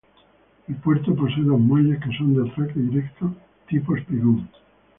El puerto posee dos Muelles que son de atraque directo tipo espigón.